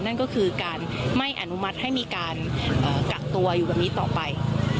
นั่นก็คือการไม่อนุมัติให้มีการกักตัวอยู่แบบนี้ต่อไป